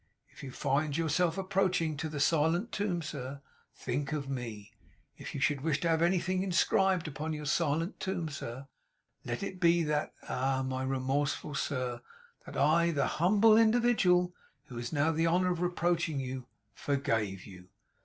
If you find yourself approaching to the silent tomb, sir, think of me. If you should wish to have anything inscribed upon your silent tomb, sir, let it be, that I ah, my remorseful sir! that I the humble individual who has now the honour of reproaching you, forgave you.